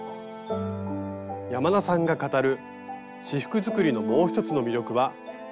山田さんが語る仕覆作りのもう一つの魅力は「布選び」。